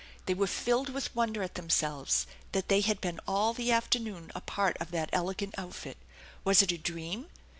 They were filled with wonder at themselves that they had been all the afternoon a part of that elegant outfit. Was it a dream